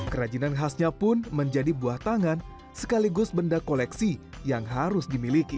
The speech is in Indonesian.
kerajinan khasnya pun menjadi buah tangan sekaligus benda koleksi yang harus dimiliki